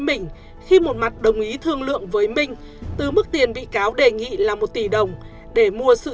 mình khi một mặt đồng ý thương lượng với minh từ mức tiền bị cáo đề nghị là một tỷ đồng để mua sự